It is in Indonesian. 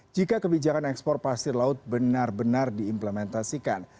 jika kebijakan ekspor pasir laut benar benar diimplementasikan